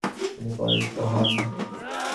তিনি পরাজিত হন।